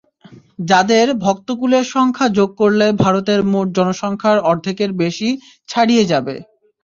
যাঁদের ভক্তকুলের সংখ্যা যোগ করলে ভারতের মোট জনসংখ্যার অর্ধেকের বেশি ছাড়িয়ে যাবে।